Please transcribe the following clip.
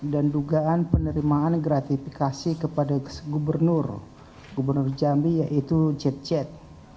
dan dugaan penerimaan gratifikasi kepada gubernur jambi yaitu jet jet